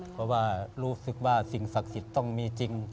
เพราะว่ารู้สึกว่าสิ่งศักดิ์สิทธิ์ต้องมีจริง